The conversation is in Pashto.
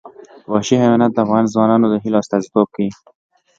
وحشي حیوانات د افغان ځوانانو د هیلو استازیتوب کوي.